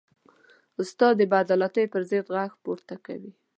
استاد د بېعدالتۍ پر ضد غږ پورته کوي.